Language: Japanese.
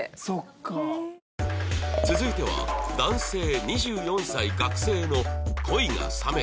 続いては男性２４歳学生の恋が冷めた瞬間